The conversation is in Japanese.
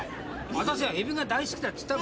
私はエビが大好きだっつったべ。